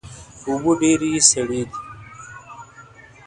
اوبه ډیرې سړې دي